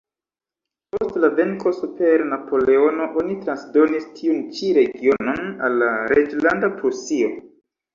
Post la venko super Napoleono oni transdonis tiun ĉi regionon al la reĝlando Prusio.